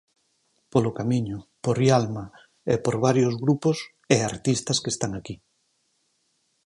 Polo Camiño, por Ialma e por varios grupos, e artistas que están aquí.